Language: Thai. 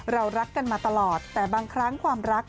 เรารักกันมาตลอดแต่บางครั้งความรัก